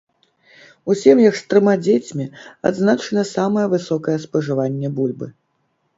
У сем'ях з трыма дзецьмі адзначана самае высокае спажыванне бульбы.